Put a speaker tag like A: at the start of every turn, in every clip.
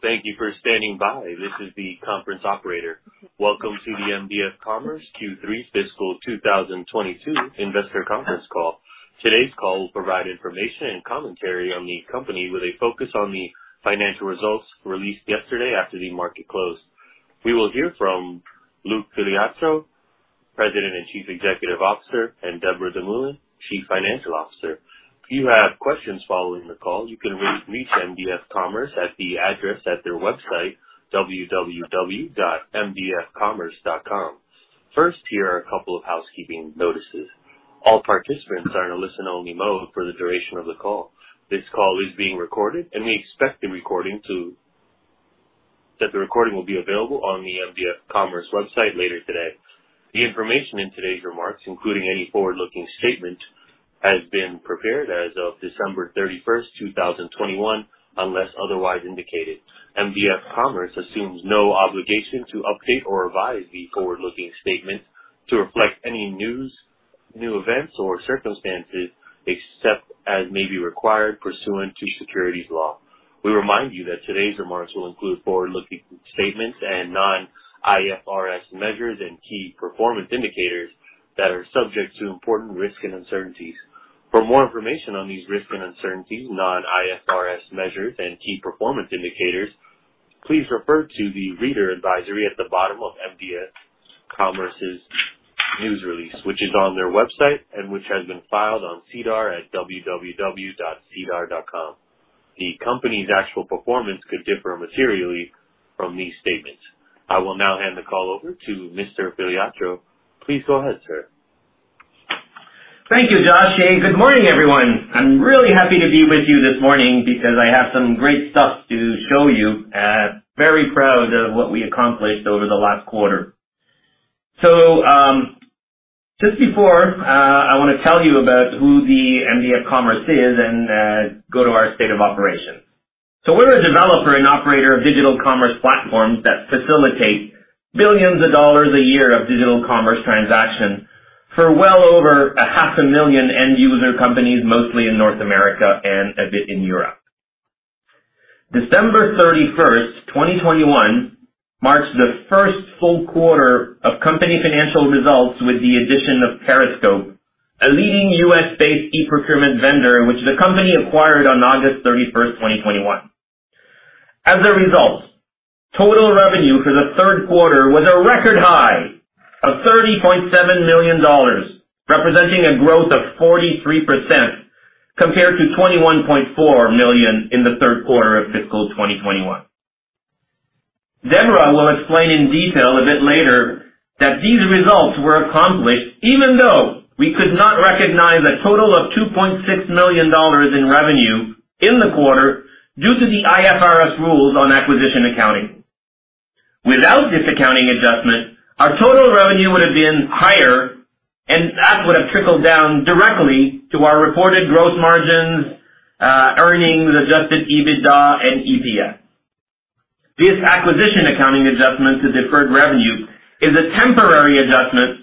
A: Well, thank you for standing by. This is the conference operator. Welcome to the MDF Commerce Q3 fiscal 2022 investor conference call. Today's call will provide information and commentary on the company with a focus on the financial results released yesterday after the market closed. We will hear from Luc Filiatreault, President and Chief Executive Officer, and Deborah Dumoulin, Chief Financial Officer. If you have questions following the call, you can reach MDF Commerce at the address at their website, www.mdfcommerce.com. First, here are a couple of housekeeping notices. All participants are in a listen only mode for the duration of the call. This call is being recorded, and the recording will be available on the MDF Commerce website later today. The information in today's remarks, including any forward-looking statement, has been prepared as of December 31, 2021, unless otherwise indicated. mdf commerce assumes no obligation to update or revise the forward-looking statements to reflect any news, new events, or circumstances, except as may be required pursuant to securities law. We remind you that today's remarks will include forward-looking statements and non-IFRS measures and key performance indicators that are subject to important risks and uncertainties. For more information on these risks and uncertainties, non-IFRS measures and key performance indicators, please refer to the reader advisory at the bottom of mdf commerce's news release, which is on their website and which has been filed on SEDAR at www.sedar.com. The company's actual performance could differ materially from these statements. I will now hand the call over to Mr. Filiatreault. Please go ahead, sir.
B: Thank you, Josh, and good morning, everyone. I'm really happy to be with you this morning because I have some great stuff to show you. Very proud of what we accomplished over the last quarter. I wanna tell you about who the mdf commerce is and go to our state of operations. We're a developer and operator of digital commerce platforms that facilitate billions of dollars a year of digital commerce transactions for well over 500,000 end user companies, mostly in North America and a bit in Europe. December 31, 2021, marks the first full quarter of company financial results with the addition of Periscope, a leading U.S.-based eProcurement vendor, which the company acquired on August 31, 2021. As a result, total revenue for the Q3 was a record high of 30.7 million dollars, representing a growth of 43% compared to 21.4 million in the Q3 of fiscal 2021. Deborah will explain in detail a bit later that these results were accomplished even though we could not recognize a total of 2.6 million dollars in revenue in the quarter due to the IFRS rules on acquisition accounting. Without this accounting adjustment, our total revenue would have been higher, and that would have trickled down directly to our reported gross margins, earnings, Adjusted EBITDA and EPS. This acquisition accounting adjustment to deferred revenue is a temporary adjustment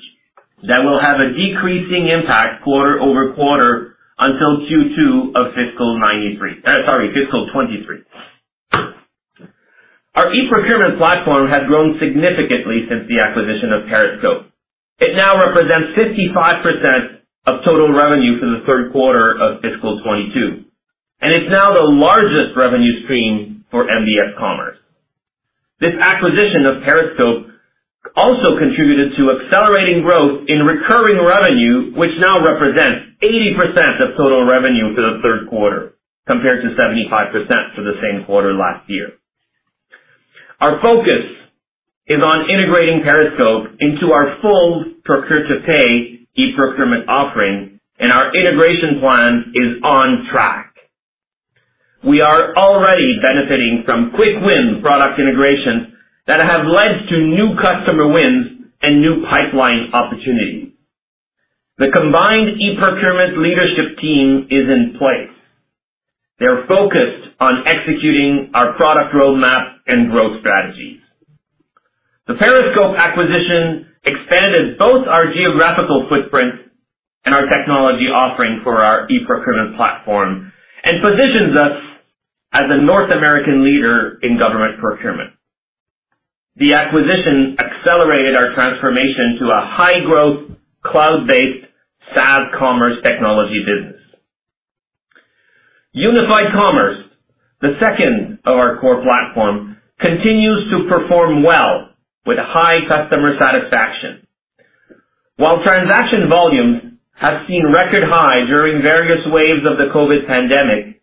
B: that will have a decreasing impact quarter over quarter until Q2 of fiscal 2023. Our eProcurement platform has grown significantly since the acquisition of Periscope. It now represents 55% of total revenue for the Q3 of fiscal 2022, and it's now the largest revenue stream for MDF Commerce. This acquisition of Periscope also contributed to accelerating growth in recurring revenue, which now represents 80% of total revenue for the Q3, compared to 75% for the same quarter last year. Our focus is on integrating Periscope into our full procure-to-pay eProcurement offering, and our integration plan is on track. We are already benefiting from quick win product integrations that have led to new customer wins and new pipeline opportunities. The combined eProcurement leadership team is in place. They're focused on executing our product roadmap and growth strategies. The Periscope acquisition expanded both our geographical footprint and our technology offering for our eProcurement platform and positions us as a North American leader in government procurement. The acquisition accelerated our transformation to a high-growth, cloud-based, SaaS commerce technology business. Unified Commerce, the second of our core platform, continues to perform well with high customer satisfaction. While transaction volumes have seen record high during various waves of the COVID-19 pandemic,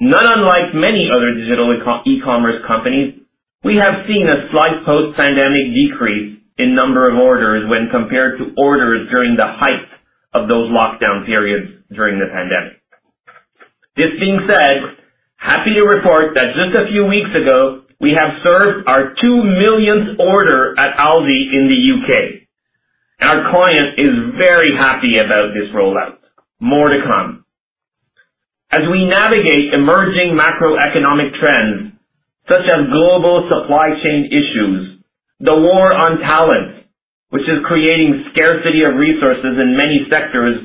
B: not unlike many other digital ecommerce companies, we have seen a slight post-pandemic decrease in number of orders when compared to orders during the height of those lockdown periods during the pandemic. This being said, happy to report that just a few weeks ago, we have served our 2 millionth order at Aldi in the U.K. Our client is very happy about this rollout. More to come. As we navigate emerging macroeconomic trends, such as global supply chain issues, the war on talent, which is creating scarcity of resources in many sectors,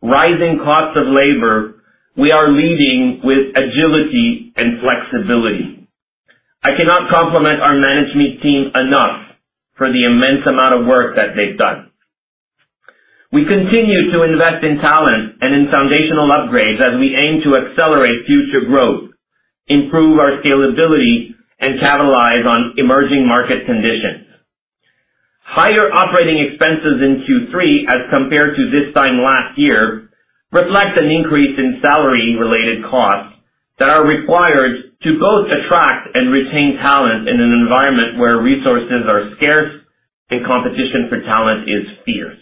B: rising costs of labor, we are leading with agility and flexibility. I cannot compliment our management team enough for the immense amount of work that they've done. We continue to invest in talent and in foundational upgrades as we aim to accelerate future growth, improve our scalability, and capitalize on emerging market conditions. Higher operating expenses in Q3 as compared to this time last year reflect an increase in salary-related costs that are required to both attract and retain talent in an environment where resources are scarce and competition for talent is fierce.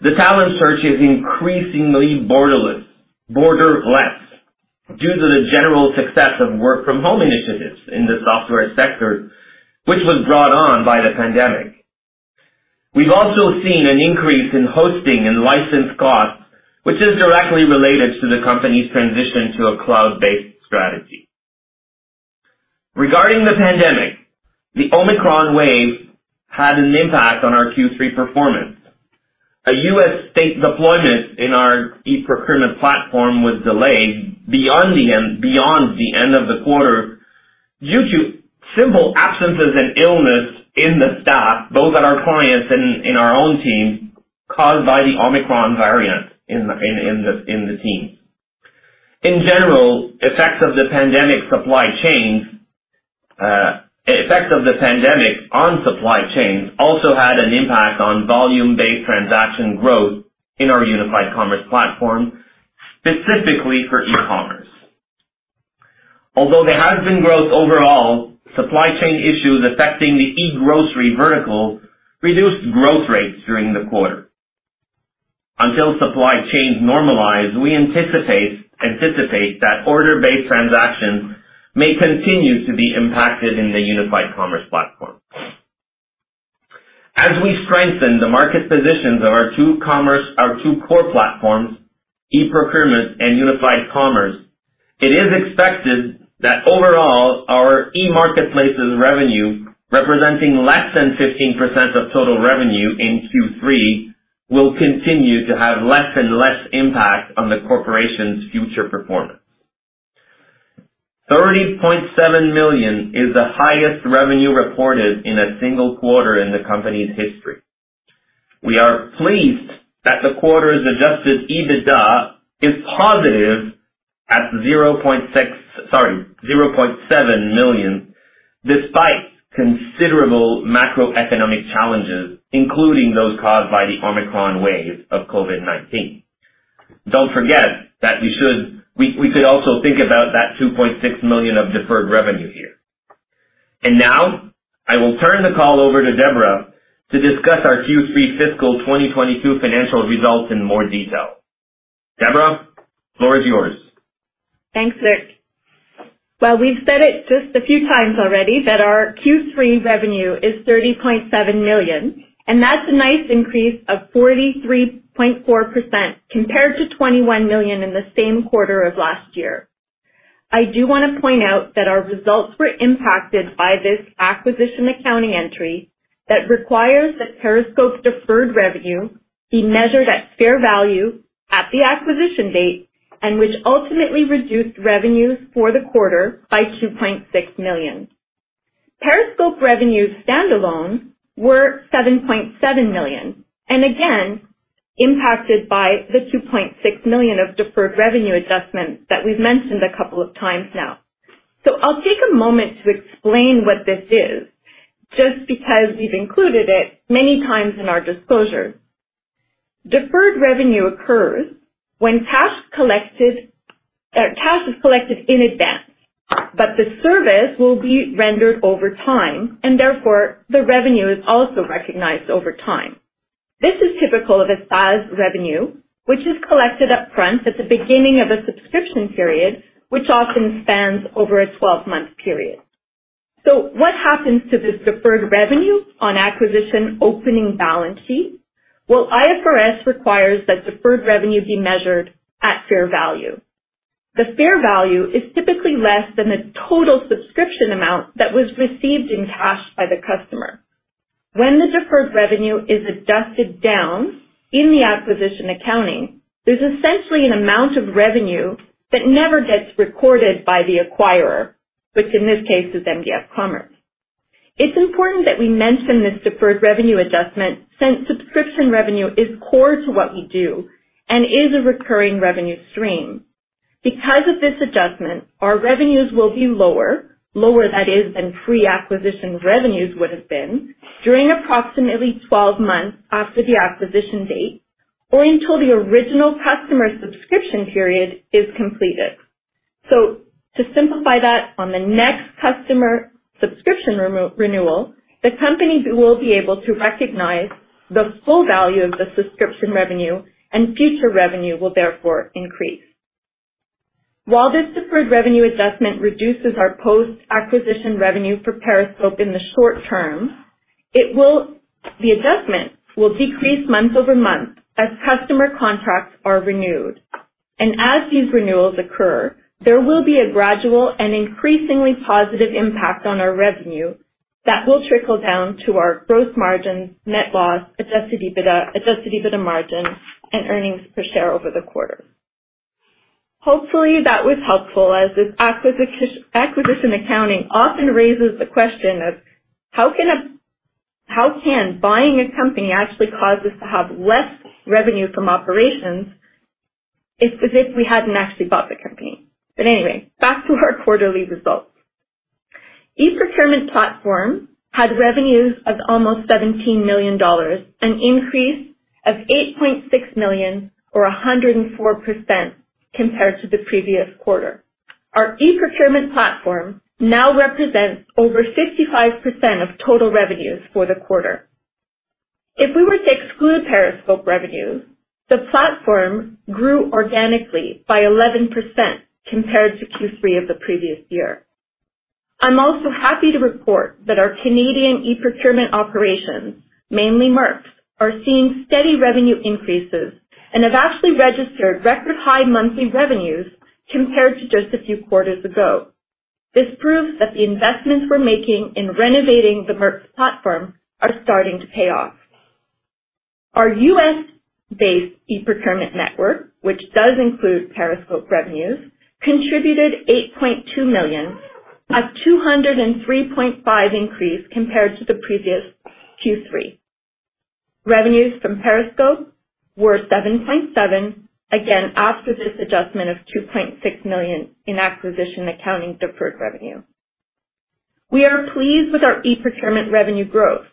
B: The talent search is increasingly borderless due to the general success of work from home initiatives in the software sector, which was brought on by the pandemic. We've also seen an increase in hosting and license costs, which is directly related to the company's transition to a cloud-based strategy. Regarding the pandemic, the Omicron wave had an impact on our Q3 performance. A U.S. state deployment in our eProcurement platform was delayed beyond the end of the quarter due to simple absences and illness in the staff, both at our clients and in our own team, caused by the Omicron variant in the team. In general, effects of the pandemic on supply chains also had an impact on volume-based transaction growth in our Unified Commerce platform, specifically for e-commerce. Although there has been growth overall, supply chain issues affecting the e-grocery vertical reduced growth rates during the quarter. Until supply chains normalize, we anticipate that order-based transactions may continue to be impacted in the Unified Commerce platform. As we strengthen the market positions of our two core platforms, eProcurement and Unified Commerce, it is expected that overall, our emarketplaces' revenue, representing less than 15% of total revenue in Q3, will continue to have less and less impact on the corporation's future performance. 30.7 million is the highest revenue reported in a single quarter in the company's history. We are pleased that the quarter's Adjusted EBITDA is positive at 0.7 million, despite considerable macroeconomic challenges, including those caused by the Omicron wave of COVID-19. We could also think about that 2.6 million of deferred revenue here. Now I will turn the call over to Deborah to discuss our Q3 fiscal 2022 financial results in more detail. Deborah, floor is yours.
C: Thanks, Luc. Well, we've said it just a few times already that our Q3 revenue is 30.7 million, and that's a nice increase of 43.4% compared to 21 million in the same quarter of last year. I do wanna point out that our results were impacted by this acquisition accounting entry that requires that Periscope's deferred revenue be measured at fair value at the acquisition date, and which ultimately reduced revenues for the quarter by 2.6 million. Periscope revenues standalone were 7.7 million, and again, impacted by the 2.6 million of deferred revenue adjustments that we've mentioned a couple of times now. I'll take a moment to explain what this is, just because we've included it many times in our disclosures. Deferred revenue occurs when cash is collected in advance, but the service will be rendered over time, and therefore the revenue is also recognized over time. This is typical of a SaaS revenue, which is collected up front at the beginning of a subscription period, which often spans over a 12-month period. What happens to this deferred revenue on acquisition opening balance sheet? Well, IFRS requires that deferred revenue be measured at fair value. The fair value is typically less than the total subscription amount that was received in cash by the customer. When the deferred revenue is adjusted down in the acquisition accounting, there's essentially an amount of revenue that never gets recorded by the acquirer, which in this case is mdf commerce. It's important that we mention this deferred revenue adjustment since subscription revenue is core to what we do and is a recurring revenue stream. Because of this adjustment, our revenues will be lower, that is, than pre-acquisition revenues would have been, during approximately 12 months after the acquisition date or until the original customer subscription period is completed. To simplify that, on the next customer subscription renewal, the company will be able to recognize the full value of the subscription revenue, and future revenue will therefore increase. While this deferred revenue adjustment reduces our post-acquisition revenue for Periscope in the short term, the adjustment will decrease month-over-month as customer contracts are renewed. As these renewals occur, there will be a gradual and increasingly positive impact on our revenue that will trickle down to our gross margins, net loss, Adjusted EBITDA, Adjusted EBITDA margin and earnings per share over the quarter. Hopefully, that was helpful as this acquisition accounting often raises the question of how can buying a company actually cause us to have less revenue from operations as if we hadn't actually bought the company. Anyway, back to our quarterly results. eProcurement platform had revenues of almost 17 million dollars, an increase of 8.6 million or 104% compared to the previous quarter. Our eProcurement platform now represents over 65% of total revenues for the quarter. If we were to exclude Periscope revenues, the platform grew organically by 11% compared to Q3 of the previous year. I'm also happy to report that our Canadian eProcurement operations, mainly MERX, are seeing steady revenue increases and have actually registered record high monthly revenues compared to just a few quarters ago. This proves that the investments we're making in renovating the MERX platform are starting to pay off. Our U.S.-based eProcurement network, which does include Periscope revenues, contributed $8.2 million, a 203.5% increase compared to the previous Q3. Revenues from Periscope were $7.7 million, again after this adjustment of $2.6 million in acquisition accounting deferred revenue. We are pleased with our eProcurement revenue growth.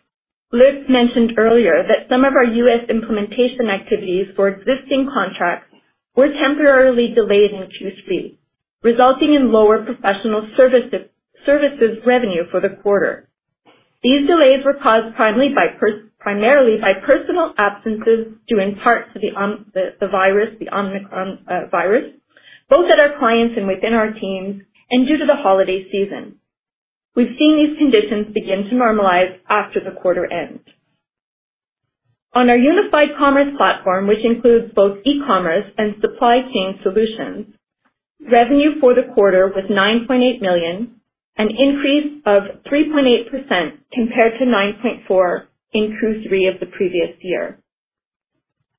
C: Luc mentioned earlier that some of our U.S. implementation activities for existing contracts were temporarily delayed in Q3, resulting in lower professional services revenue for the quarter. These delays were caused primarily by personal absences, due in part to the Omicron virus, both at our clients and within our teams and due to the holiday season. We've seen these conditions begin to normalize after the quarter ends. On our Unified Commerce platform, which includes both e-commerce and supply chain solutions, revenue for the quarter was 9.8 million, an increase of 3.8% compared to 9.4 million in Q3 of the previous year.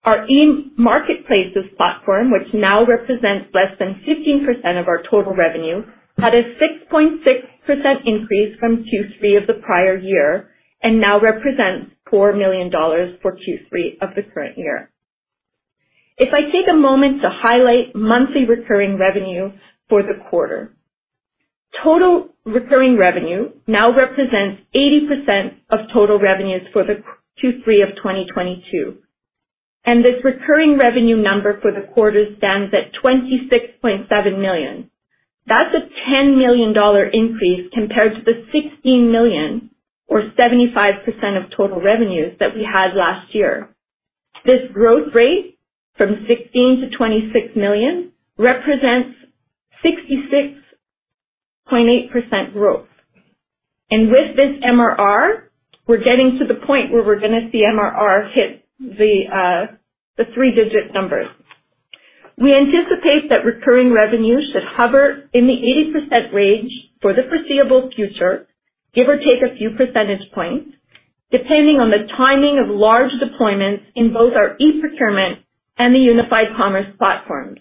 C: Our emarketplaces platform, which now represents less than 15% of our total revenue, had a 6.6% increase from Q3 of the prior year and now represents 4 million dollars for Q3 of the current year. If I take a moment to highlight monthly recurring revenue for the quarter, total recurring revenue now represents 80% of total revenues for the Q3 of 2022, and this recurring revenue number for the quarter stands at 26.7 million. That's a 10 million dollar increase compared to the 16 million or 75% of total revenues that we had last year. This growth rate from 16 million to 26 million represents 66.8% growth. With this MRR, we're getting to the point where we're gonna see MRR hit the three-digit numbers. We anticipate that recurring revenue should hover in the 80% range for the foreseeable future, give or take a few percentage points, depending on the timing of large deployments in both our eProcurement and the Unified Commerce platforms.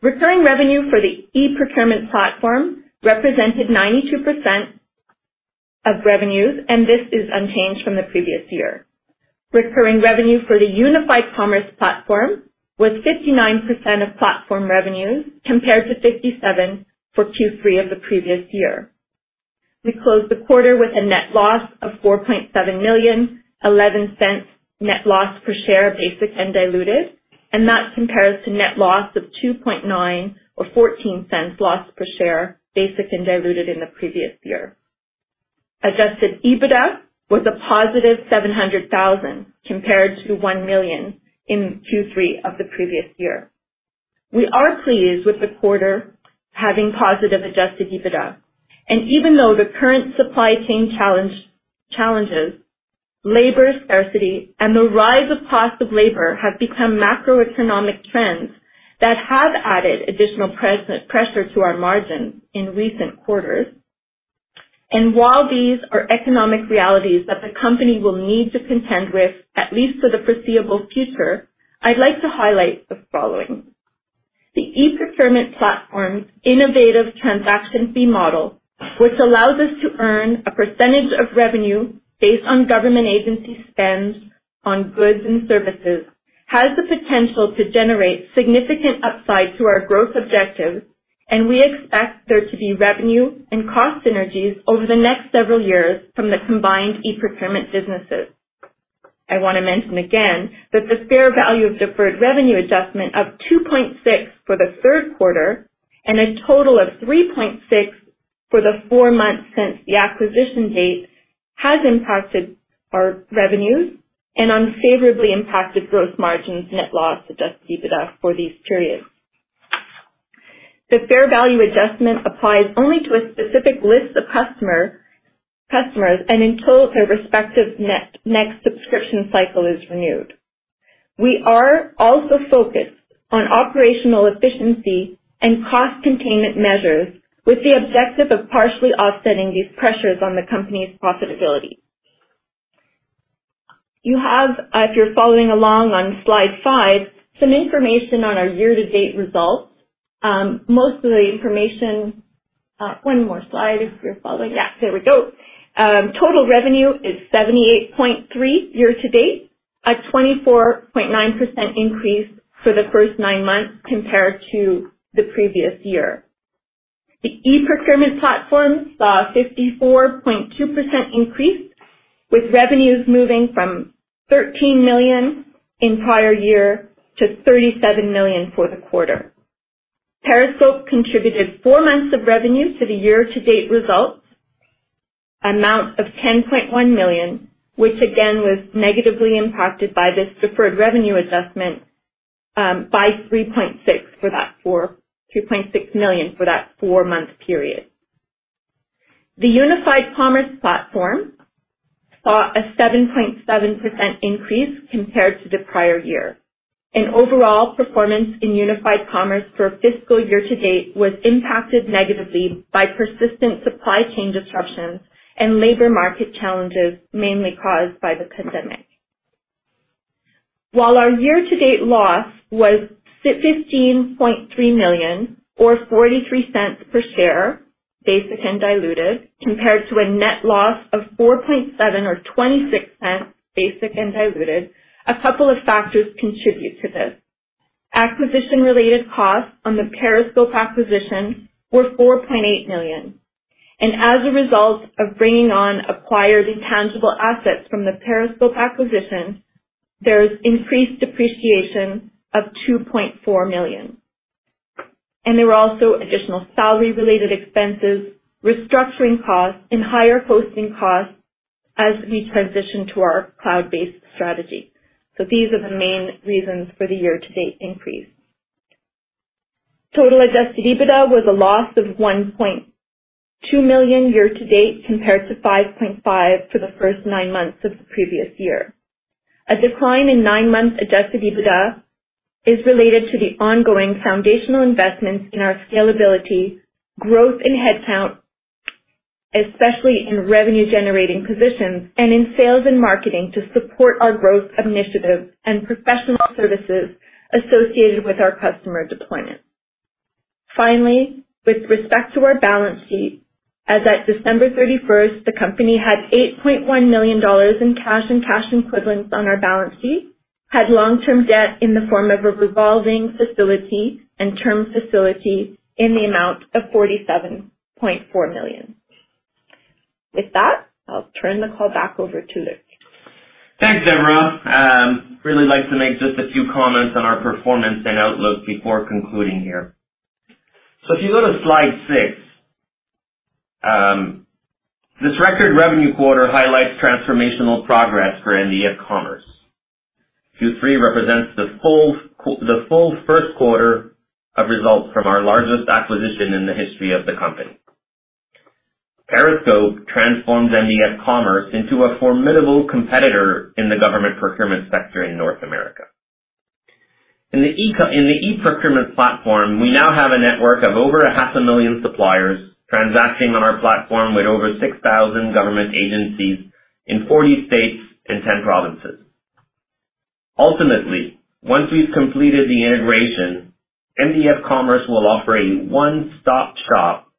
C: Recurring revenue for the eProcurement platform represented 92% of revenues, and this is unchanged from the previous year. Recurring revenue for the Unified Commerce platform was 59% of platform revenues, compared to 57% for Q3 of the previous year. We closed the quarter with a net loss of 4.7 million, 0.11 net loss per share, basic and diluted, and that compares to net loss of 2.9 million or 0.14 loss per share, basic and diluted in the previous year. Adjusted EBITDA was a positive 700,000 compared to 1 million in Q3 of the previous year. We are pleased with the quarter having positive Adjusted EBITDA. Even though the current supply chain challenges, labor scarcity and the rise of cost of labor have become macroeconomic trends that have added additional pressure to our margins in recent quarters, and while these are economic realities that the company will need to contend with, at least for the foreseeable future, I'd like to highlight the following. The eProcurement platform's innovative transaction fee model, which allows us to earn a percentage of revenue based on government agency spends on goods and services, has the potential to generate significant upside to our growth objectives, and we expect there to be revenue and cost synergies over the next several years from the combined eProcurement businesses. I wanna mention again that the fair value of deferred revenue adjustment of 2.6 for the Q3 and a total of 3.6 for the 4 months since the acquisition date has impacted our revenues and unfavorably impacted gross margins, net loss, Adjusted EBITDA for these periods. The fair value adjustment applies only to a specific list of customers and until their respective next subscription cycle is renewed. We are also focused on operational efficiency and cost containment measures with the objective of partially offsetting these pressures on the company's profitability. You have, if you're following along on slide five, some information on our year-to-date results. Total revenue is 78.3 year-to-date, a 24.9% increase for the first 9 months compared to the previous year. The eProcurement platform saw a 54.2% increase, with revenues moving from 13 million in prior year to 37 million for the quarter. Periscope contributed four months of revenue to the year-to-date results, amount of 10.1 million, which again was negatively impacted by this deferred revenue adjustment, by CAD 3.6 million for that four-month period. The Unified Commerce platform saw a 7.7% increase compared to the prior year. Overall performance in Unified Commerce for fiscal year-to-date was impacted negatively by persistent supply chain disruptions and labor market challenges, mainly caused by the pandemic. While our year-to-date loss was 15.3 million or 0.43 per share, basic and diluted, compared to a net loss of 4.7 million or 0.26 per share, basic and diluted, a couple of factors contribute to this. Acquisition-related costs on the Periscope acquisition were 4.8 million, and as a result of bringing on acquired intangible assets from the Periscope acquisition, there is increased depreciation of 2.4 million. There were also additional salary-related expenses, restructuring costs, and higher hosting costs as we transition to our cloud-based strategy. These are the main reasons for the year-to-date increase. Total Adjusted EBITDA was a loss of 1.2 million year-to-date, compared to 5.5 million for the first nine months of the previous year. A decline in nine-month Adjusted EBITDA is related to the ongoing foundational investments in our scalability, growth in headcount, especially in revenue-generating positions and in sales and marketing to support our growth initiatives and professional services associated with our customer deployment. Finally, with respect to our balance sheet, as at December thirty-first, the company had 8.1 million dollars in cash and cash equivalents on our balance sheet, had long-term debt in the form of a revolving facility and term facility in the amount of 47.4 million. With that, I'll turn the call back over to Luc.
B: Thanks, Deborah. I really like to make just a few comments on our performance and outlook before concluding here. If you go to slide six, this record revenue quarter highlights transformational progress for mdf commerce. Q3 represents the full Q1 of results from our largest acquisition in the history of the company. Periscope transforms mdf commerce into a formidable competitor in the government procurement sector in North America. In the eProcurement platform, we now have a network of over 500,000 suppliers transacting on our platform with over 6,000 government agencies in 40 states and 10 provinces. Ultimately, once we've completed the integration, mdf commerce will offer a one-stop shop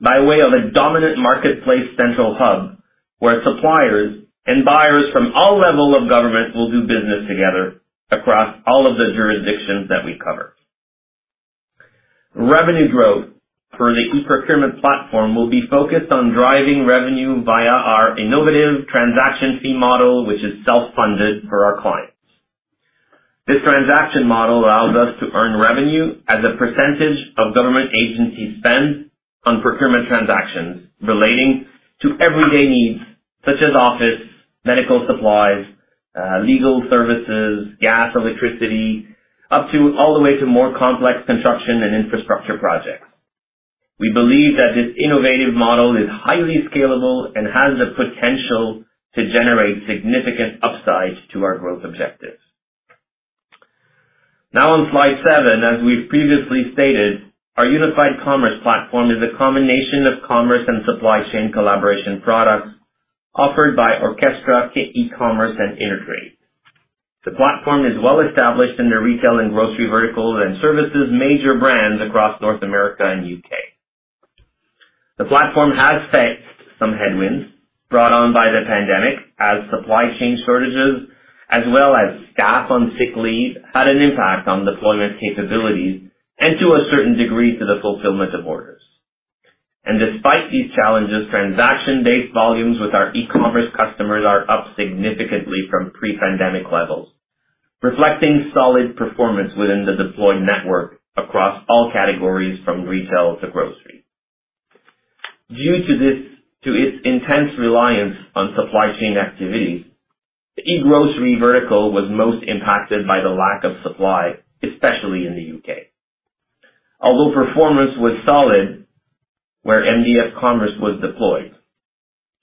B: by way of a dominant marketplace central hub, where suppliers and buyers from all levels of government will do business together across all of the jurisdictions that we cover. Revenue growth for the eProcurement platform will be focused on driving revenue via our innovative transaction fee model, which is self-funded for our clients. This transaction model allows us to earn revenue as a percentage of government agency spend on procurement transactions relating to everyday needs such as office, medical supplies, legal services, gas, electricity, up to all the way to more complex construction and infrastructure projects. We believe that this innovative model is highly scalable and has the potential to generate significant upside to our growth objectives. Now on slide seven, as we've previously stated, our Unified Commerce platform is a combination of commerce and supply chain collaboration products offered by Orckestra, k-ecommerce, and InterTrade. The platform is well-established in the retail and grocery verticals and serves major brands across North America and U.K. The platform has faced some headwinds brought on by the pandemic, as supply chain shortages as well as staff on sick leave had an impact on deployment capabilities and to a certain degree to the fulfillment of orders. Despite these challenges, transaction-based volumes with our e-commerce customers are up significantly from pre-pandemic levels, reflecting solid performance within the deployed network across all categories from retail to grocery. Due to this, too, its intense reliance on supply chain activity, the e-grocery vertical was most impacted by the lack of supply, especially in the U.K. Although performance was solid where mdf commerce was deployed.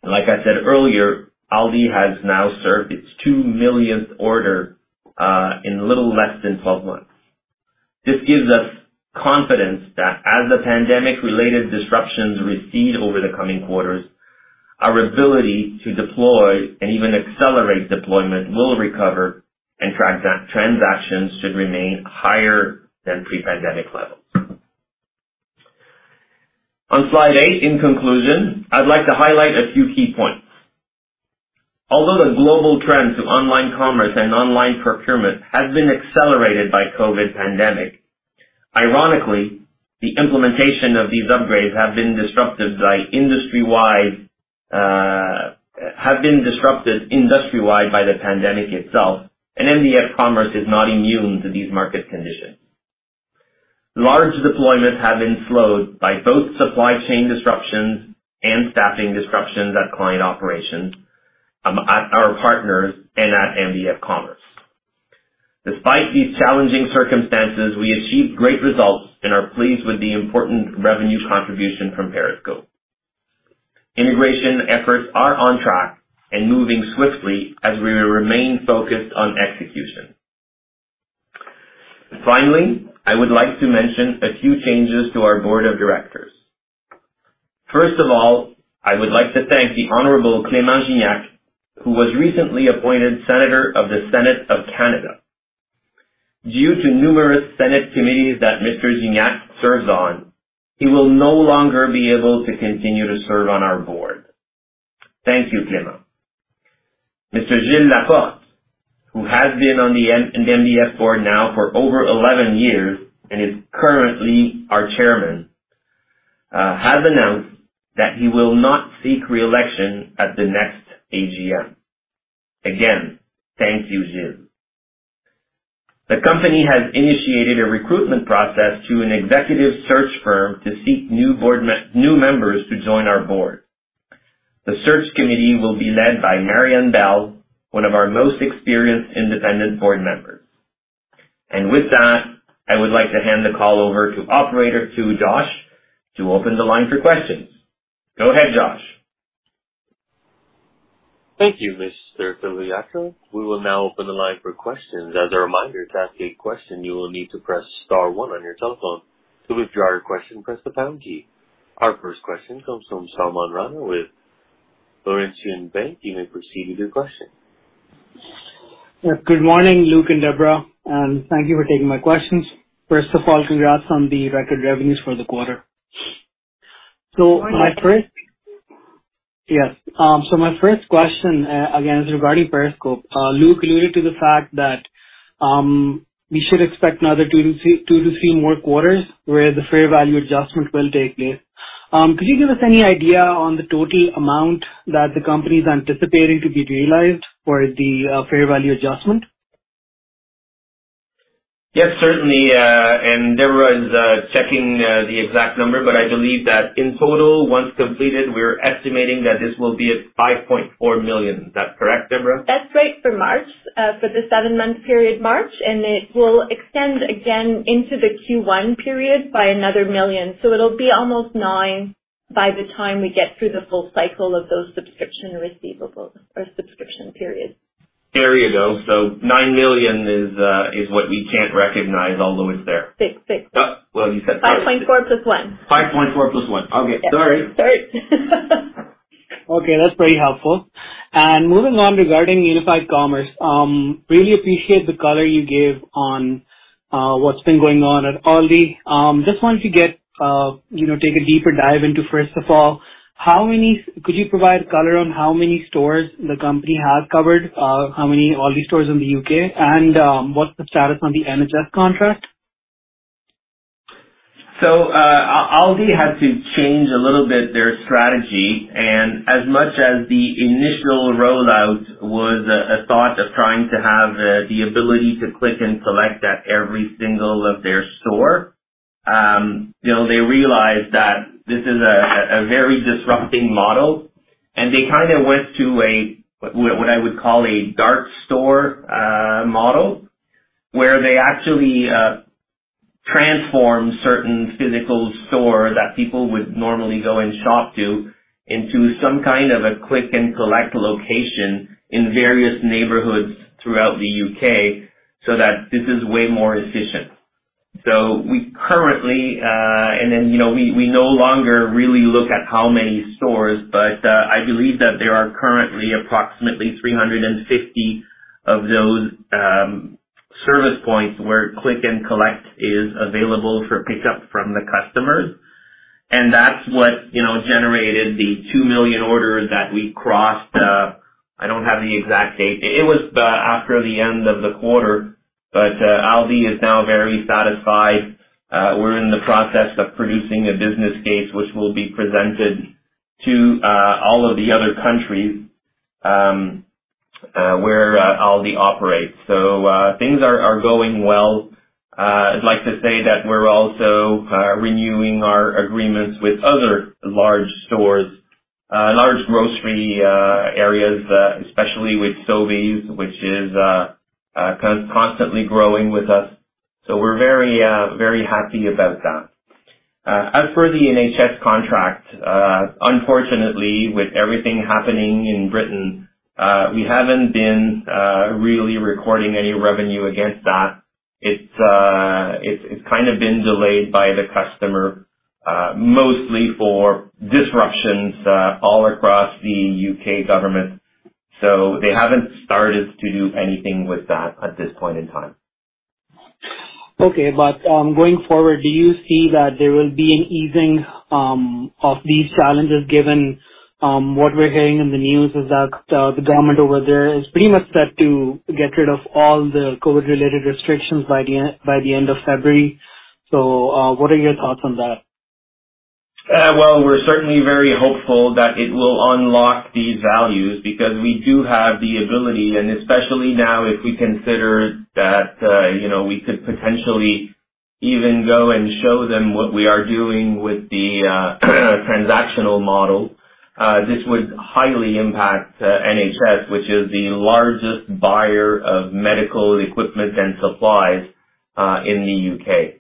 B: Like I said earlier, Aldi has now served its 2 millionth order in little less than 12 months. This gives us confidence that as the pandemic-related disruptions recede over the coming quarters, our ability to deploy and even accelerate deployment will recover and transactions should remain higher than pre-pandemic levels. On slide 8, in conclusion, I'd like to highlight a few key points. Although the global trend to online commerce and online procurement has been accelerated by COVID-19 pandemic, ironically, the implementation of these upgrades have been disrupted industry-wide by the pandemic itself, and mdf commerce is not immune to these market conditions. Large deployments have been slowed by both supply chain disruptions and staffing disruptions at client operations, at our partners and at mdf commerce. Despite these challenging circumstances, we achieved great results and are pleased with the important revenue contribution from Periscope. Integration efforts are on track and moving swiftly as we remain focused on execution. Finally, I would like to mention a few changes to our board of directors. First of all, I would like to thank the Honorable Clément Gignac, who was recently appointed Senator of the Senate of Canada. Due to numerous Senate committees that Mr. Gignac serves on, he will no longer be able to continue to serve on our board. Thank you, Clément. Mr. Gilles Laporte, who has been on the MDF board now for over 11 years and is currently our chairman, has announced that he will not seek re-election at the next AGM. Again, thank you, Gilles. The company has initiated a recruitment process to an executive search firm to seek new board members to join our board. The search committee will be led by Mary-Ann Bell, one of our most experienced independent board members. With that, I would like to hand the call over to operator, to Josh, to open the line for questions. Go ahead, Josh.
A: Thank you, Mr. Filiatreault. We will now open the line for questions. As a reminder, to ask a question, you will need to press star one on your telephone. To withdraw your question, press the pound key. Our first question comes from Salman Rana with Laurentian Bank. You may proceed with your question.
D: Good morning, Luc and Deborah, and thank you for taking my questions. First of all, congrats on the record revenues for the quarter. My first question again is regarding Periscope. Luc alluded to the fact that we should expect another 2-3 more quarters where the fair value adjustment will take place. Could you give us any idea on the total amount that the company is anticipating to be realized for the fair value adjustment?
B: Yes, certainly. Deborah is checking the exact number, but I believe that in total, once completed, we're estimating that this will be at 5.4 million. Is that correct, Deborah?
C: That's right for March, for the 7-month period March, and it will extend again into the Q1 period by another 1 million. It'll be almost 9 million by the time we get through the full cycle of those subscription receivables or subscription periods.
B: There you go. 9 million is what we can't recognize, although it's there.
C: six.
B: Oh, well, you said five.
C: 5.4+1.
B: 5.4 + 1. Okay.
C: Yeah.
B: Sorry.
C: Sorry.
D: Okay. That's very helpful. Moving on, regarding Unified Commerce, really appreciate the color you gave on what's been going on at Aldi. Just wanted to get, take a deeper dive into, first of all, could you provide color on how many stores the company has covered? How many Aldi stores in the U.K.? What's the status on the NHS contract?
B: Aldi had to change a little bit their strategy, and as much as the initial rollout was a thought of trying to have the ability to click and collect at every single one of their stores, you know, they realized that this is a very disruptive model. They kind of went to what I would call a dark store model, where they actually transformed certain physical stores that people would normally go and shop to into some kind of a click-and-collect location in various neighborhoods throughout the U.K., so that this is way more efficient. We currently... You know, we no longer really look at how many stores, but I believe that there are currently approximately 350 of those service points where click and collect is available for pickup from the customers. That's what, you know, generated the 2 million orders that we crossed. I don't have the exact date. It was after the end of the quarter. Aldi is now very satisfied. We're in the process of producing a business case, which will be presented to all of the other countries where Aldi operates. Things are going well. I'd like to say that we're also renewing our agreements with other large stores, large grocery areas, especially with Sobeys, which is constantly growing with us. We're very, very happy about that. As for the NHS contract, unfortunately with everything happening in Britain, we haven't been really recording any revenue against that. It's kind of been delayed by the customer, mostly for disruptions all across the U.K. government. They haven't started to do anything with that at this point in time.
D: Okay. Going forward, do you see that there will be an easing of these challenges, given what we're hearing in the news is that the government over there is pretty much set to get rid of all the COVID-related restrictions by the end of February? What are your thoughts on that?
B: Well, we're certainly very hopeful that it will unlock these values because we do have the ability and especially now if we consider that, you know, we could potentially even go and show them what we are doing with the transactional model, this would highly impact NHS, which is the largest buyer of medical equipment and supplies, in the U.K.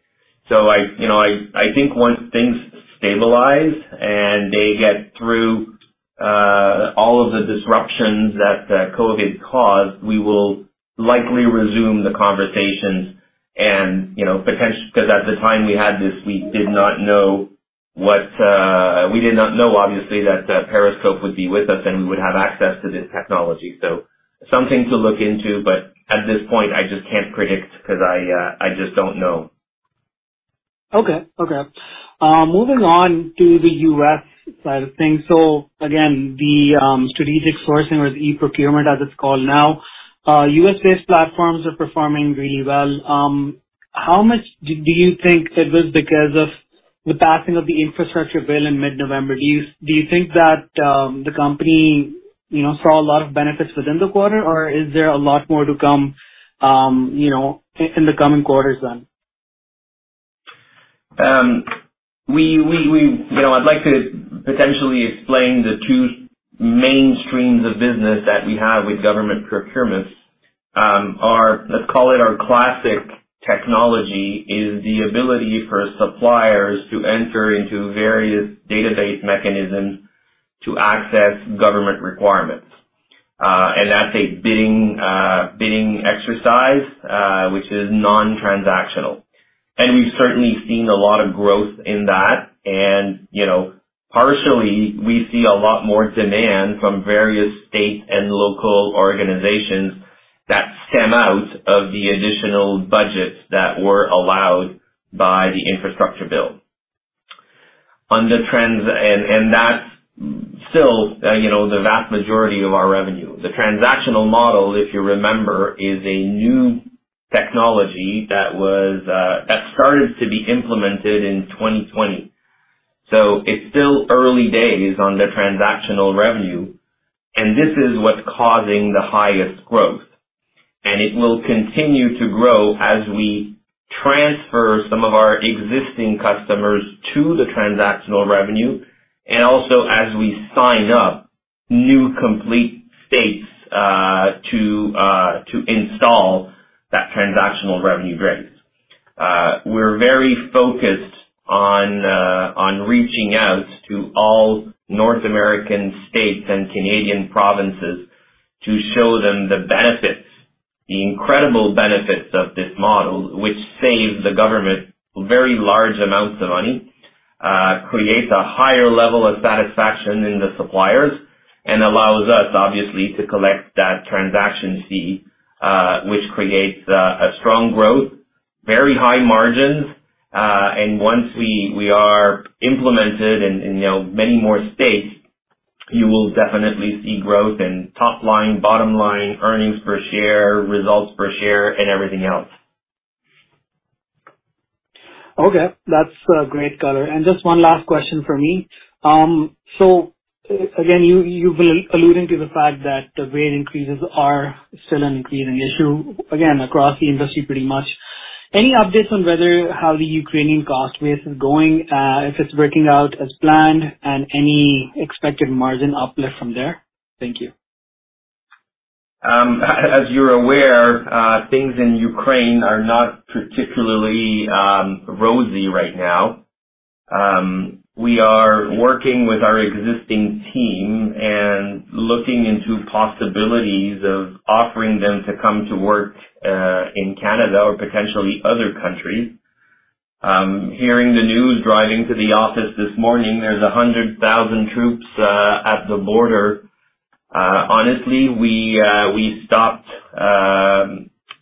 B: I think once things stabilize and they get through all of the disruptions that COVID caused, we will likely resume the conversations and, you know, because at the time we had this, we did not know obviously that Periscope would be with us and we would have access to this technology. Something to look into, but at this point I just can't predict because I just don't know.
D: Moving on to the U.S. side of things. Again, the strategic sourcing or the e-procurement as it's called now, U.S.-based platforms are performing really well. How much do you think it was because of the passing of the infrastructure bill in mid-November? Do you think that the company, you know, saw a lot of benefits within the quarter, or is there a lot more to come, you know, in the coming quarters then?
B: You know, I'd like to potentially explain the two main streams of business that we have with government procurements. Our classic technology is the ability for suppliers to enter into various database mechanisms to access government requirements. That's a bidding exercise, which is non-transactional. We've certainly seen a lot of growth in that. You know, partially we see a lot more demand from various state and local organizations that stem out of the additional budgets that were allowed by the infrastructure bill. That's still, you know, the vast majority of our revenue. The transactional model, if you remember, is a new technology that started to be implemented in 2020. It's still early days on the transactional revenue, and this is what's causing the highest growth. It will continue to grow as we transfer some of our existing customers to the transactional revenue, and also as we sign up new complete states to install that transactional revenue rate. We're very focused on reaching out to all North American states and Canadian provinces to show them the benefits, the incredible benefits of this model, which saves the government very large amounts of money, creates a higher level of satisfaction in the suppliers, and allows us, obviously, to collect that transaction fee, which creates a strong growth, very high margins. Once we are implemented in, you know, many more states, you will definitely see growth in top line, bottom line, earnings per share, results per share, and everything else.
D: Okay. That's a great color. Just one last question from me. Again, you've been alluding to the fact that the wage increases are still an increasing issue, again, across the industry pretty much. Any updates on how the Ukrainian cost base is going, if it's working out as planned and any expected margin uplift from there? Thank you.
B: As you're aware, things in Ukraine are not particularly rosy right now. We are working with our existing team and looking into possibilities of offering them to come to work in Canada or potentially other countries. Hearing the news driving to the office this morning, there's 100,000 troops at the border. Honestly, we stopped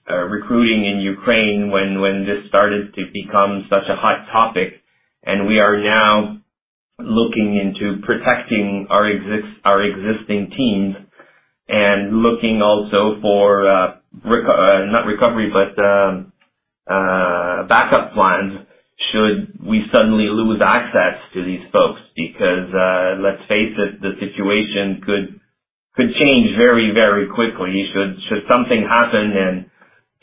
B: recruiting in Ukraine when this started to become such a hot topic, and we are now looking into protecting our existing teams and looking also for backup plans should we suddenly lose access to these folks. Because let's face it, the situation could change very quickly should something happen and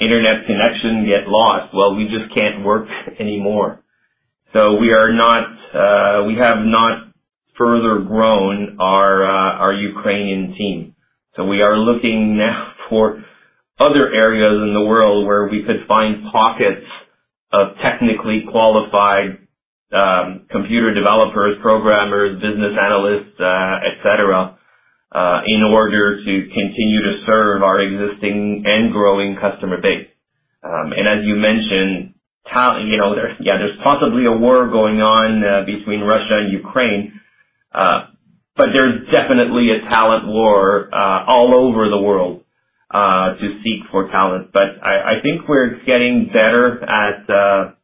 B: internet connection get lost, well, we just can't work anymore. We have not further grown our Ukrainian team. We are looking now for other areas in the world where we could find pockets of technically qualified computer developers, programmers, business analysts, et cetera, in order to continue to serve our existing and growing customer base. As you mentioned, talent you know, there's possibly a war going on between Russia and Ukraine, but there's definitely a talent war all over the world to seek for talent. I think we're getting better at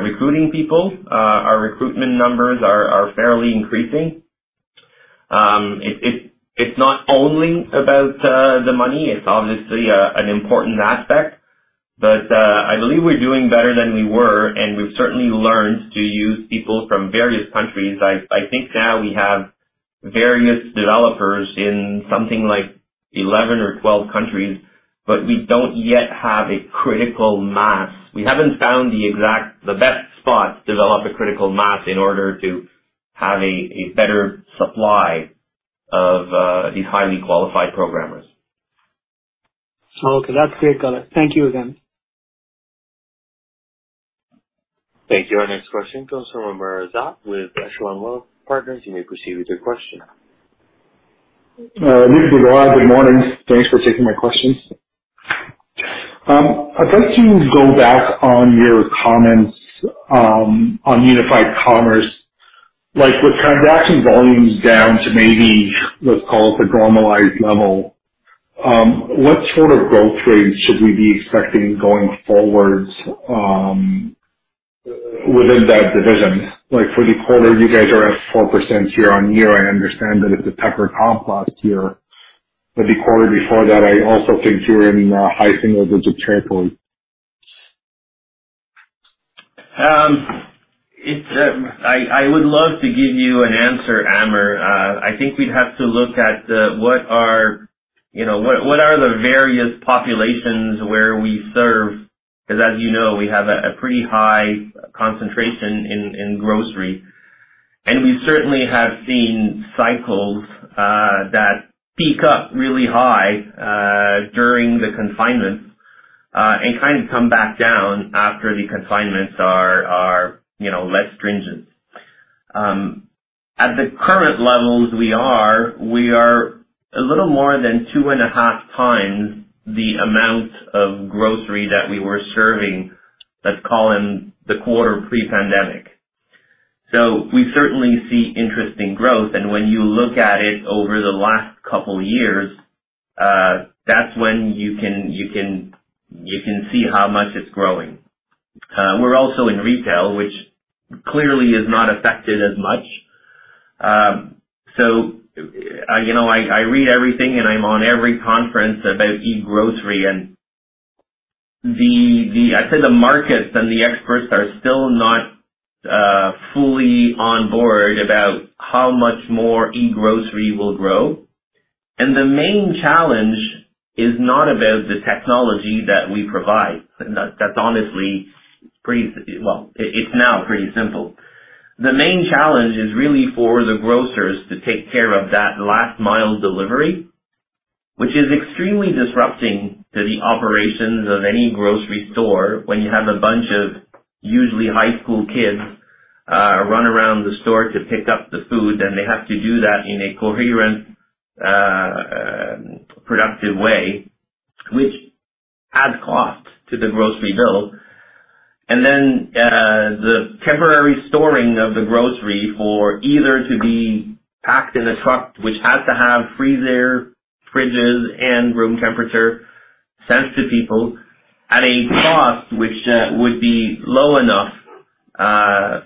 B: recruiting people. Our recruitment numbers are fairly increasing. It's not only about the money, it's obviously an important aspect, but I believe we're doing better than we were, and we've certainly learned to use people from various countries. I think now we have various developers in something like 11 or 12 countries, but we don't yet have a critical mass. We haven't found the exact, the best spot to develop a critical mass in order to have a better supply of these highly qualified programmers.
A: Okay. That's great, Salman. Thank you again. Thank you. Our next question comes from Amr Ezzat with Echelon Wealth Partners. You may proceed with your question.
E: This is Amr. Good morning. Thanks for taking my questions. I'd like to go back on your comments on Unified Commerce. Like, with transaction volumes down to maybe, let's call it the normalized level, what sort of growth rates should we be expecting going forward within that division? Like, for the quarter, you guys are at 4% year-over-year. I understand that it's a tougher comp last year, but the quarter before that, I also think you were in high single digit triple.
B: I would love to give you an answer, Amr. I think we'd have to look at what are, you know, what are the various populations where we serve, because as you know, we have a pretty high concentration in grocery. We certainly have seen cycles that peak up really high during the confinement and kind of come back down after the confinements are, you know, less stringent. At the current levels we are a little more than two and a half times the amount of grocery that we were serving, let's call it in the quarter pre-pandemic. We certainly see interesting growth, and when you look at it over the last couple years, that's when you can see how much it's growing. We're also in retail, which clearly is not affected as much. You know, I read everything and I'm on every conference about e-grocery. I'd say the markets and the experts are still not fully on board about how much more e-grocery will grow. The main challenge is not about the technology that we provide. That's honestly pretty well, it's now pretty simple. The main challenge is really for the grocers to take care of that last mile delivery, which is extremely disrupting to the operations of any grocery store. When you have a bunch of usually high school kids run around the store to pick up the food, then they have to do that in a coherent, productive way, which adds cost to the grocery bill. The temporary storing of the grocery for either to be packed in a truck, which has to have freezer, fridges, and room temperature sent to people at a cost which would be low enough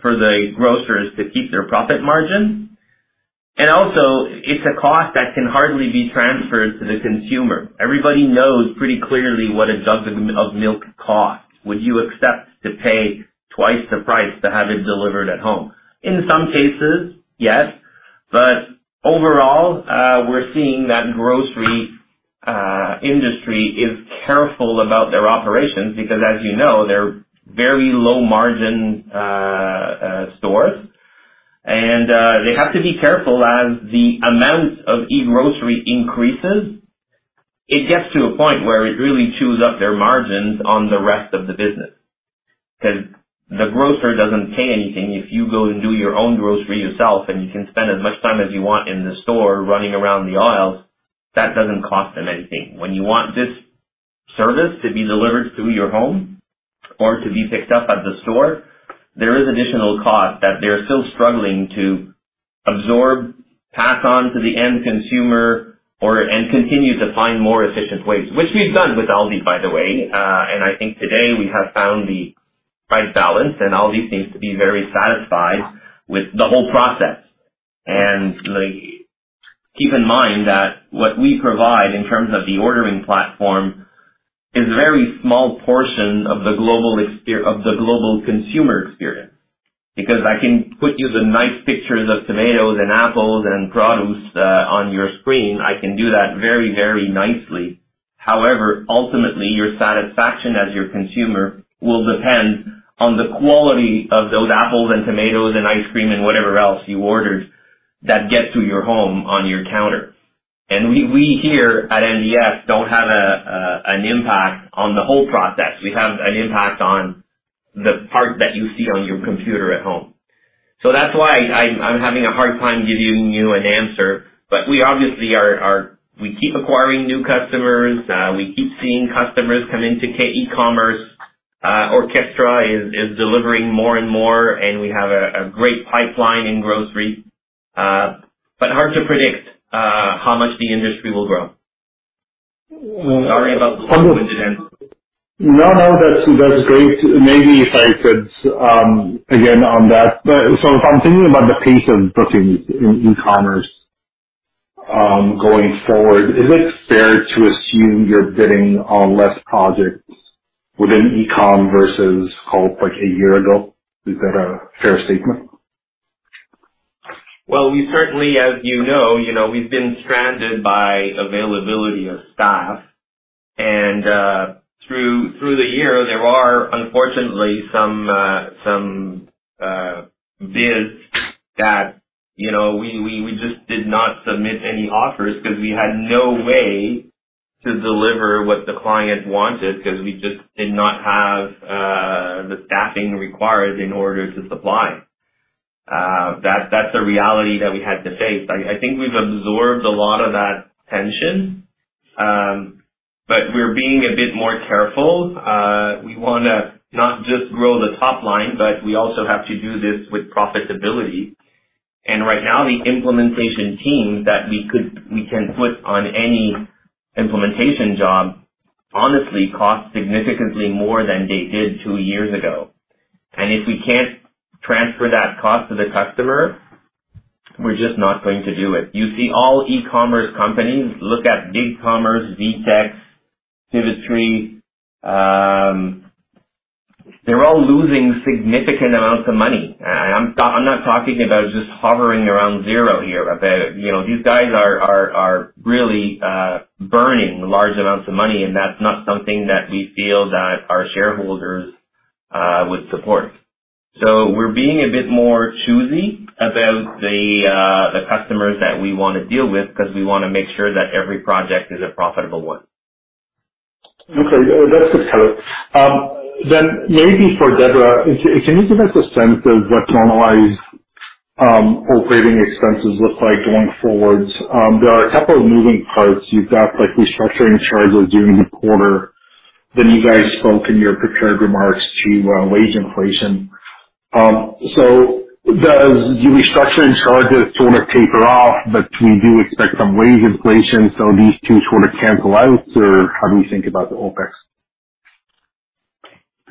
B: for the grocers to keep their profit margin. Also it's a cost that can hardly be transferred to the consumer. Everybody knows pretty clearly what a dozen of milk costs. Would you accept to pay twice the price to have it delivered at home? In some cases, yes. Overall, we're seeing that grocery industry is careful about their operations because as you know, they're very low margin stores. They have to be careful as the amount of e-grocery increases, it gets to a point where it really chews up their margins on the rest of the business. Because the grocer doesn't pay anything. If you go and do your own grocery yourself, and you can spend as much time as you want in the store running around the aisles, that doesn't cost them anything. When you want this service to be delivered to your home or to be picked up at the store, there is additional cost that they're still struggling to absorb, pass on to the end consumer or, and continue to find more efficient ways, which we've done with Aldi, by the way. I think today we have found the right balance, and Aldi seems to be very satisfied with the whole process. Keep in mind that what we provide in terms of the ordering platform is a very small portion of the global consumer experience. Because I can put you the nice pictures of tomatoes and apples and produce on your screen. I can do that very, very nicely. However, ultimately, your satisfaction as your consumer will depend on the quality of those apples and tomatoes and ice cream and whatever else you ordered that get to your home on your counter. We here at MDF don't have an impact on the whole process. We have an impact on the part that you see on your computer at home. That's why I'm having a hard time giving you an answer. We obviously are. We keep acquiring new customers. We keep seeing customers come into k-ecommerce. Orckestra is delivering more and more, and we have a great pipeline in grocery. But hard to predict how much the industry will grow. Sorry about the long-winded answer.
E: No, that's great. Maybe if I could again on that. So if I'm thinking about the pace of putting ecommerce going forward, is it fair to assume you're bidding on less projects within ecom versus, say, like a year ago? Is that a fair statement?
B: Well, we certainly, as you know, we've been stranded by availability of staff. Through the year, there are, unfortunately, some bids that, you know, we just did not submit any offers because we had no way to deliver what the client wanted because we just did not have the staffing required in order to supply. That's a reality that we had to face. I think we've absorbed a lot of that tension, but we're being a bit more careful. We wanna not just grow the top line, but we also have to do this with profitability. Right now, the implementation team that we can put on any implementation job honestly costs significantly more than they did two years ago. If we can't transfer that cost to the customer, we're just not going to do it. You see all e-commerce companies. Look at BigCommerce, VTEX, Sitecore. They're all losing significant amounts of money. I'm not talking about just hovering around zero here. You know, these guys are really burning large amounts of money, and that's not something that we feel that our shareholders would support. We're being a bit more choosy about the customers that we wanna deal with because we wanna make sure that every project is a profitable one.
E: Maybe for Deborah. Can you give us a sense of what normalized operating expenses look like going forward? There are a couple of moving parts. You've got, like, restructuring charges during the quarter. You guys spoke in your prepared remarks to wage inflation. Does the restructuring charges sort of taper off, but we do expect some wage inflation, so these two sort of cancel out or how do we think about the OpEx?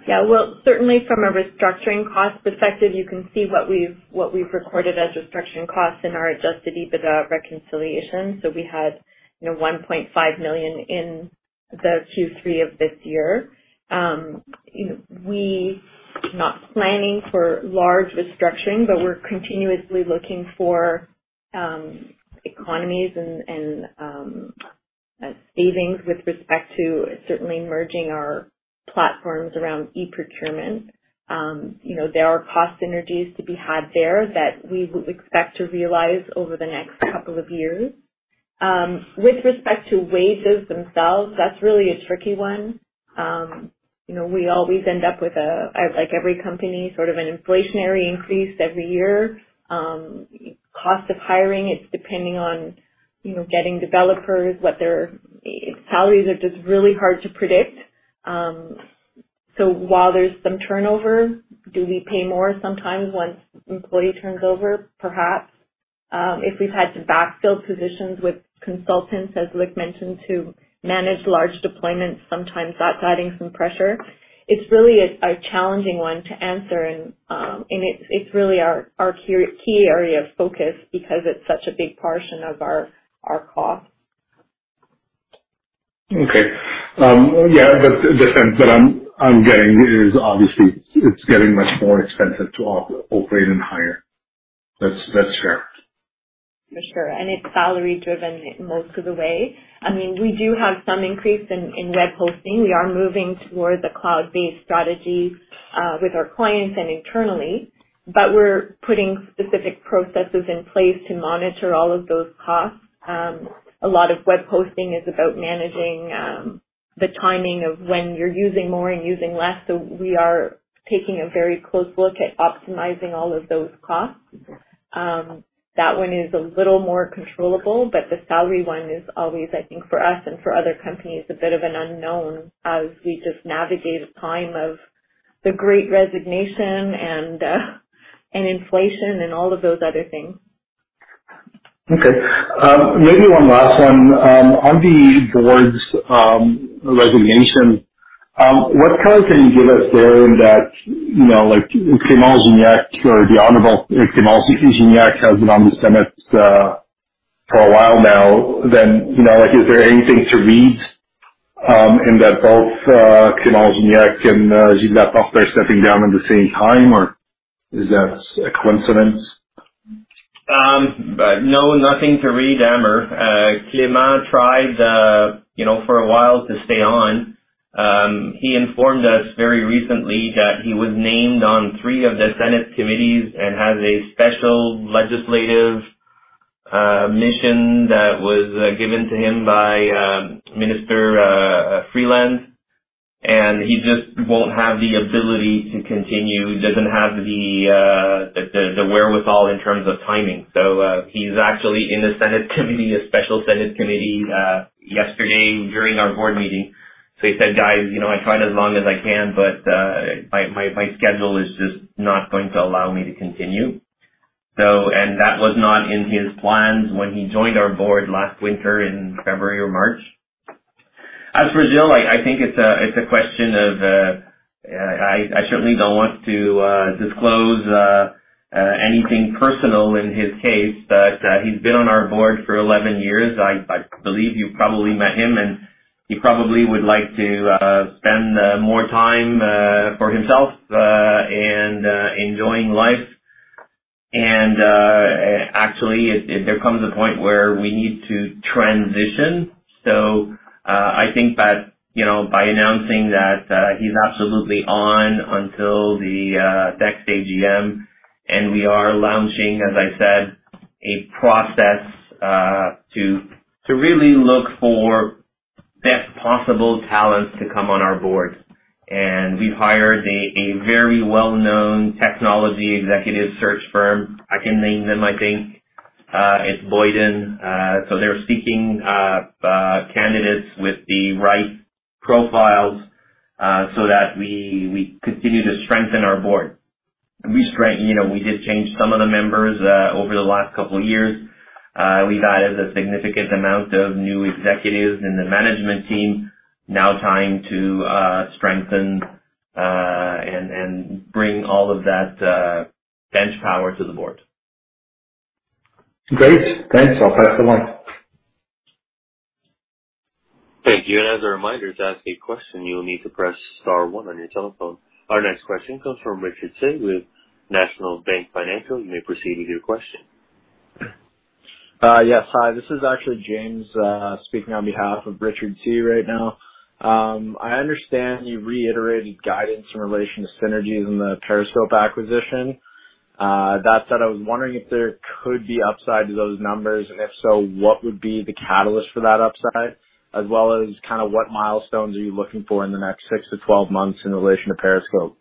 C: Yeah. Well, certainly from a restructuring cost perspective, you can see what we've recorded as restructuring costs in our Adjusted EBITDA reconciliation. We had, you know, 1.5 million in the Q3 of this year. You know, we're not planning for large restructuring, but we're continuously looking for economies and savings with respect to certainly merging our platforms around eProcurement. You know, there are cost synergies to be had there that we would expect to realize over the next couple of years. With respect to wages themselves, that's really a tricky one. You know, we always end up with a, like every company, sort of an inflationary increase every year. Cost of hiring is depending on, you know, getting developers, what their salaries are just really hard to predict. While there's some turnover, do we pay more sometimes once employee turns over? Perhaps. If we've had to backfill positions with consultants, as Luc mentioned, to manage large deployments, sometimes that's adding some pressure. It's really a challenging one to answer and it's really our key area of focus because it's such a big portion of our costs.
E: Okay. Yeah, but the sense that I'm getting is obviously it's getting much more expensive to operate and hire. That's fair.
C: For sure. It's salary-driven most of the way. I mean, we do have some increase in web hosting. We are moving towards a cloud-based strategy with our clients and internally, but we're putting specific processes in place to monitor all of those costs. A lot of web hosting is about managing the timing of when you're using more and using less. We are taking a very close look at optimizing all of those costs. That one is a little more controllable, but the salary one is always, I think, for us and for other companies, a bit of an unknown as we just navigate a time of the Great Resignation and inflation and all of those other things.
E: Okay. Maybe one last one. On the board's resignation, what color can you give us there that, you know, like Clément Gignac or the Honorable Clément Gignac has been on the Senate for a while now? You know, like, is there anything to read in that both Clément Gignac and Gilles Laporte are stepping down at the same time, or is that a coincidence?
B: No, nothing to read, Amr. Clément tried, you know, for a while, to stay on. He informed us very recently that he was named on three of the Senate committees and has a special legislative mission that was given to him by Minister Freeland. He just won't have the ability to continue. He doesn't have the wherewithal in terms of timing. He's actually in the Senate committee, a special Senate committee, yesterday during our board meeting. He said, "Guys, you know, I tried as long as I can, but my schedule is just not going to allow me to continue." That was not in his plans when he joined our board last winter in February or March. As for Gilles, I think it's a question of, I certainly don't want to disclose anything personal in his case, but he's been on our board for 11 years. I believe you probably met him, and he probably would like to spend more time for himself and enjoying life. Actually, there comes a point where we need to transition. I think that, you know, by announcing that he's absolutely on until the next AGM, and we are launching, as I said, a process to really look for best possible talents to come on our board. We've hired a very well-known technology executive search firm. I can name them, I think. It's Boyden. They're seeking candidates with the right profiles so that we continue to strengthen our board. You know, we did change some of the members over the last couple years. We've added a significant amount of new executives in the management team, now trying to strengthen and bring all of that bench power to the board.
E: Great. Thanks. I'll pass the line.
A: Thank you. As a reminder, to ask a question, you will need to press star one on your telephone. Our next question comes from Richard Tse with National Bank Financial. You may proceed with your question.
F: Yes. Hi. This is actually James, speaking on behalf of Richard Tse right now. I understand you reiterated guidance in relation to synergies in the Periscope acquisition. That said, I was wondering if there could be upside to those numbers. If so, what would be the catalyst for that upside? As well as kind of what milestones are you looking for in the next 6-12 months in relation to Periscope?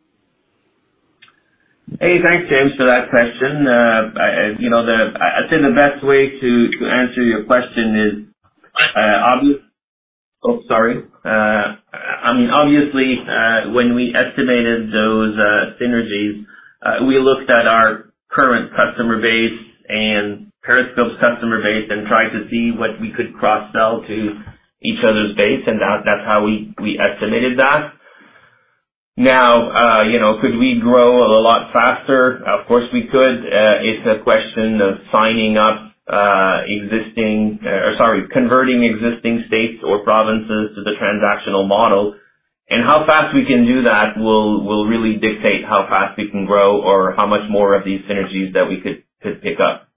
B: Hey, thanks, James, for that question. I'd say the best way to answer your question is, I mean, obviously, when we estimated those synergies, we looked at our current customer base and Periscope's customer base and tried to see what we could cross-sell to each other's base, and that's how we estimated that. Now, you know, could we grow a lot faster? Of course, we could. It's a question of converting existing states or provinces to the transactional model. How fast we can do that will really dictate how fast we can grow or how much more of these synergies that we could pick up.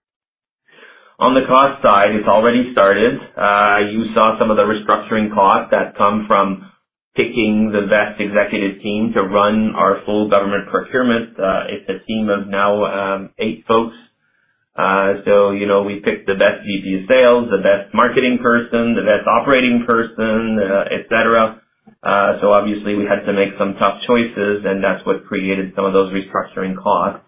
B: On the cost side, it's already started. You saw some of the restructuring costs that come from picking the best executive team to run our full government procurement. It's a team of now eight folks. So, you know, we picked the best VP of sales, the best marketing person, the best operating person, et cetera. So obviously we had to make some tough choices, and that's what created some of those restructuring costs.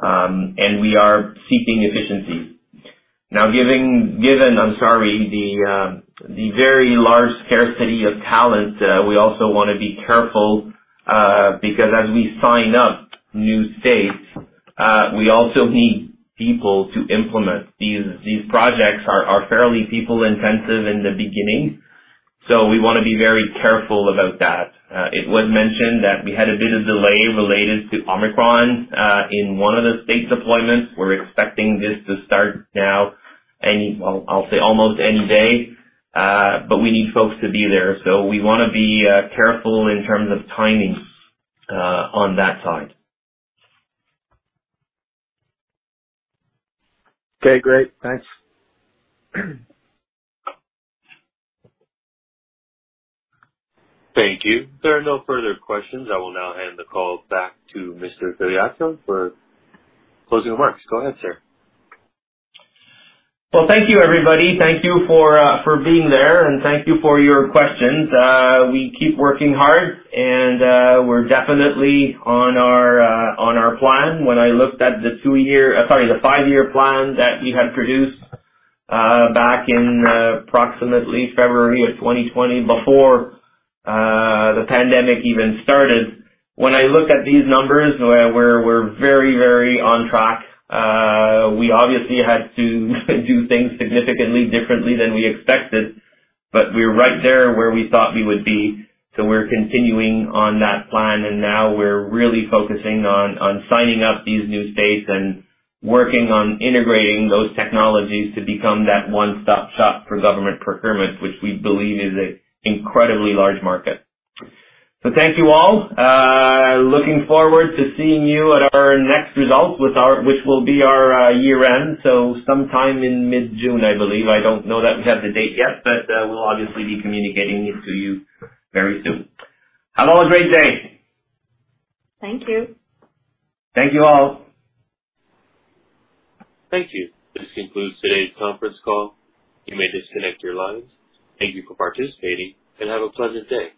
B: And we are seeking efficiency. Given the very large scarcity of talent, we also wanna be careful because as we sign up new states, we also need people to implement. These projects are fairly people-intensive in the beginning, so we wanna be very careful about that. It was mentioned that we had a bit of delay related to Omicron in one of the state deployments. We're expecting this to start now. Well, I'll say almost any day. We need folks to be there. We wanna be careful in terms of timing on that side.
F: Okay, great. Thanks.
A: Thank you. There are no further questions. I will now hand the call back to Mr. Filiatreault for closing remarks. Go ahead, sir.
B: Well, thank you, everybody. Thank you for being there, and thank you for your questions. We keep working hard, and we're definitely on our plan. The five-year plan that we had produced back in approximately February of 2020, before the pandemic even started. When I look at these numbers, we're very on track. We obviously had to do things significantly differently than we expected, but we're right there where we thought we would be. We're continuing on that plan, and now we're really focusing on signing up these new states and working on integrating those technologies to become that one-stop shop for government procurement, which we believe is a incredibly large market. Thank you all. Looking forward to seeing you at our next results, which will be our year-end, so sometime in mid-June, I believe. I don't know that we have the date yet, but we'll obviously be communicating it to you very soon. Have a great day.
E: Thank you.
B: Thank you, all.
A: Thank you. This concludes today's conference call. You may disconnect your lines. Thank you for participating, and have a pleasant day.